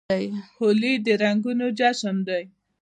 هولي د رنګونو جشن دی.